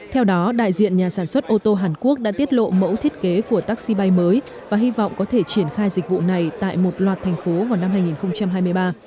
theo đó đại diện nhà sản xuất ô tô hàn quốc đã tiết lộ mẫu thiết kế của taxi bay mới và hy vọng có thể triển khai dịch vụ này tại một loạt thành phố vào năm hai nghìn hai mươi ba